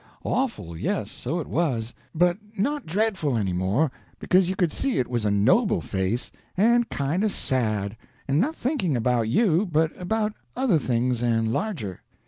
Awful, yes, so it was, but not dreadful any more, because you could see it was a noble face, and kind of sad, and not thinking about you, but about other things and larger.